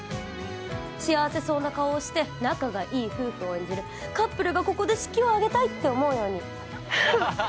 幸せそうな顔をして仲がいい夫婦を演じる、カップルがここで式を挙げたいと思うように。